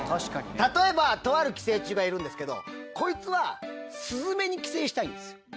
例えばとある寄生虫がいるんですけどこいつはスズメに寄生したいんです。